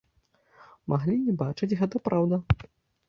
Маглі не бачыць, гэта праўда.